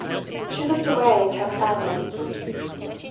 She looked away, and kept silence.